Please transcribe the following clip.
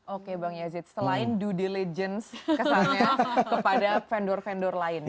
oke bang yazid selain due diligence kesannya kepada vendor vendor lainnya